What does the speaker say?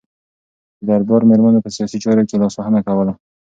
د دربار میرمنو په سیاسي چارو کې لاسوهنه کوله.